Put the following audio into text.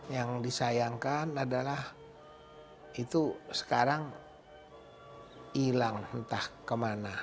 yang disayangkan adalah itu sekarang hilang entah kemana